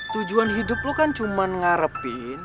tujuan hidup lu kan cuman ngarepin